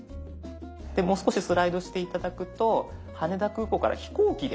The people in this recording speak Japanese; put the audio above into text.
もう少しスライドして頂くと羽田空港から飛行機で。